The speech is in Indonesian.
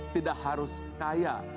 tidak harus kaya